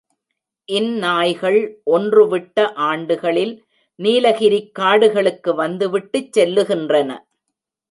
இந் நாய்கள் ஒன்று விட்ட ஆண்டுகளில் நீலகிரிக் காடுகளுக்கு வந்து விட்டுச் செல்லுகின்றன.